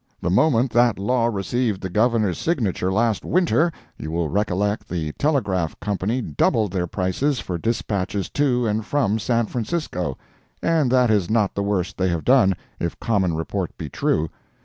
The moment that law received the Governor's signature last winter, you will recollect the Telegraph Company doubled their prices for dispatches to and from San Francisco. And that is not the worst they have done, if common report be true.